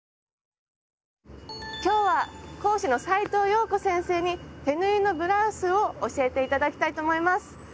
今日は講師の斉藤謠子先生に手縫いのブラウスを教えて頂きたいと思います。